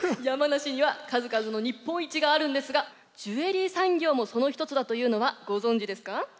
山梨には数々の日本一があるんですがジュエリー産業もその一つだというのはご存じですか？